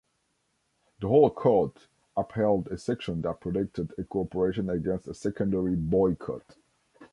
The whole Court upheld a section that protected a corporation against a secondary boycott.